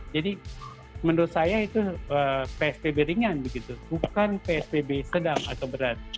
jadi menurut saya itu psbb ringan bukan psbb sedang atau berat